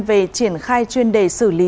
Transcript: về triển khai chuyên đề xử lý